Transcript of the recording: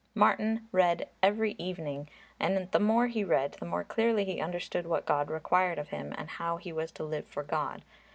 Martin read every evening, and the more he read the more clearly he understood what God required of him and how he was to live for God.